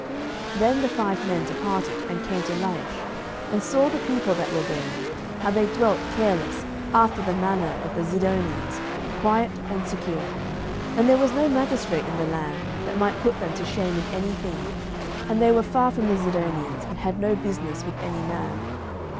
07:018:007 Then the five men departed, and came to Laish, and saw the people that were therein, how they dwelt careless, after the manner of the Zidonians, quiet and secure; and there was no magistrate in the land, that might put them to shame in any thing; and they were far from the Zidonians, and had no business with any man.